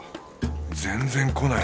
全然来ない。